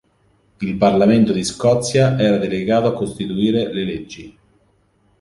Il Parlamento di Scozia, era delegato a costituire le leggi.